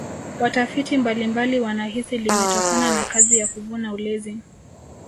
watafiti mbalimbali wanahisi limetokana na kazi ya kuvuna ulezi